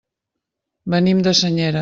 Venim de Senyera.